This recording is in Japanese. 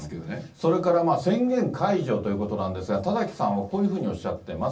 それから宣言解除ということなんですが、田崎さんはこういうふうにおっしゃっています。